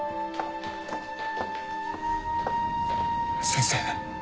先生。